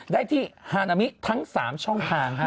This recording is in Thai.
ได้ที่ฮานามิทั้ง๓ช่องทาง